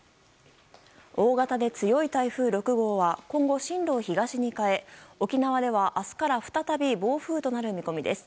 大型で強い台風６号は今後、進路を東に変え沖縄では明日から再び暴風となる見込みです。